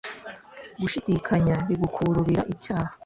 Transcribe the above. gushidikanya bigukururira icyaha.